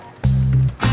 terima kasih mbak